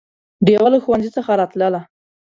ډېوه له ښوونځي څخه راتلله